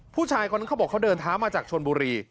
ผู้ชายคนนั้นเขาบอกเขาเดินเท้ามาจากชนบุรี